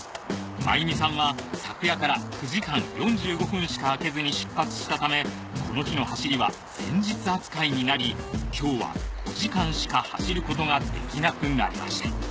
マユミさんは昨夜から９時間４５分しか空けずに出発したためこの日の走りは前日扱いになり今日は５時間しか走ることができなくなりました